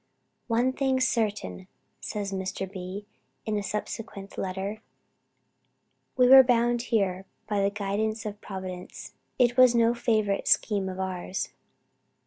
"One thing is certain," says Mr. B. in a subsequent letter "we were brought here by the guidance of Providence. It was no favorite scheme of ours."